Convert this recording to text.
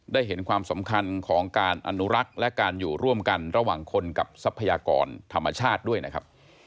ได้เห็นความสำคัญของการอนุรักษ์และการอยู่ร่วมกันระหว่างคนกับทรัพยากรธรรมชาติด้วยนะครับ